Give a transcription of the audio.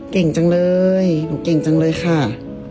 เก่งจังเลยหนูเก่งจังเลยค่ะ